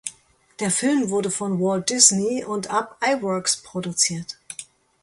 Der Film wurde von Walt Disney und Ub Iwerks produziert.